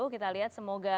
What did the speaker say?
kita lihat semoga